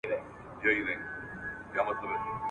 پوه او ناپوه نه دي سره برابر.